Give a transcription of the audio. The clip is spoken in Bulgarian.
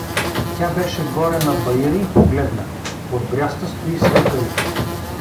Тя беше горе на баира и погледна: под бряста стои свекър й.